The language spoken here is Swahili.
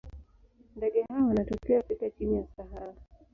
Ndege hawa wanatokea Afrika chini ya Sahara.